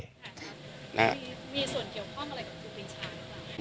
มีส่วนเกี่ยวข้ออะไรของคุณพิชานะครับ